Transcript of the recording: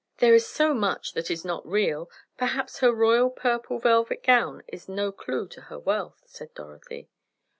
"There is so much that is not real, perhaps her royal purple velvet gown is no clue to her wealth," said Dorothy.